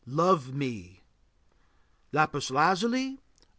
LOVE ME Lapis lazuli.